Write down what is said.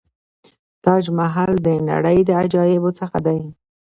تاج محل د نړۍ له عجایبو څخه دی.